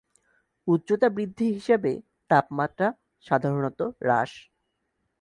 উচ্চতা বৃদ্ধি হিসাবে তাপমাত্রা সাধারণত হ্রাস।